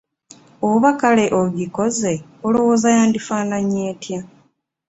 Oba kale ogikoze olowooza yandifaananye etya?